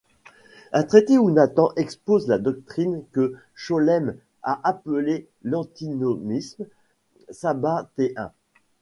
Un traité où Nathan expose la doctrine que Scholem a appelé l'antinomisme sabbatéen.